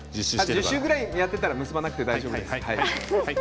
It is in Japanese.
１０周ぐらい巻いていれば結ばなくても大丈夫です。